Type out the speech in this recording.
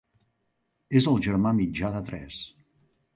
És el germà mitjà de tres.